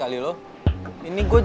gak ada masalah